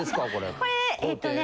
これえっとね